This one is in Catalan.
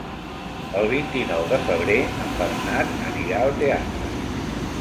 El vint-i-nou de febrer en Bernat anirà al teatre.